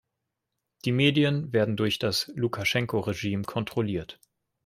Die Medien werden durch das Lukaschenko-Regime kontrolliert.